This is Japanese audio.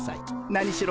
何しろ